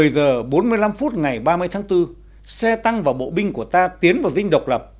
một mươi giờ bốn mươi năm phút ngày ba mươi tháng bốn xe tăng và bộ binh của ta tiến vào dinh độc lập